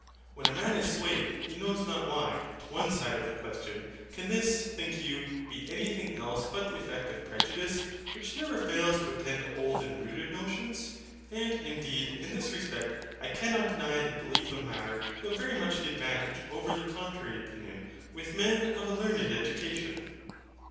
When a man is swayed, he knows not why, to one side of the question, can this, think you, be anything else but the effect of prejudice, which never fails to attend old and rooted notions? And indeed in this respect I cannot deny the belief of Matter to have very much the advantage over the contrary opinion, with men of a learned education.